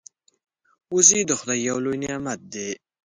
وزې د خدای یو لوی نعمت دی